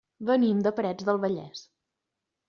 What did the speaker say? Venim de Parets del Vallès.